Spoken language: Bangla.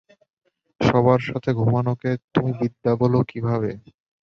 সবার সাথে ঘুমানোকে, তুমি বিদ্যা বল কীভাবে?